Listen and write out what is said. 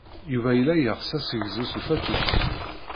Yuba yella yeɣs assegzu s ufatus.